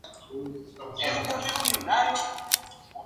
Fue alumna de Leonid Kogan en el Conservatorio de Moscú.